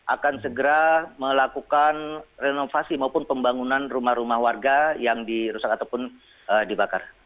akan segera melakukan renovasi maupun pembangunan rumah rumah warga yang dirusak ataupun dibakar